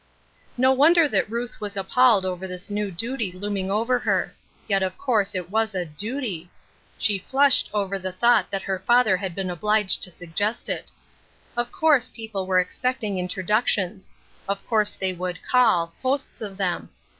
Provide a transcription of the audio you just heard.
No wonder that Ruth was appalled over this new duty looming before her. Yet of course it was a duty ; she flushed over the thought that A Cross of Lead, 43 her father had been obliged to suggest it Of course people were expecting introductions ; of course they would call — hosts of them.